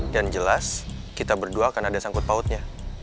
dan jelas kita berdua akan ada sangkut pautnya